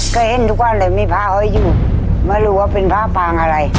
ก็เห็นทุกคนเลยมีภาพไอ้อยู่มารู้ว่าเป็นภาพปางอะไร